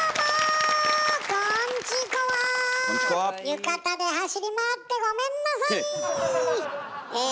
浴衣で走り回ってごめんなさい。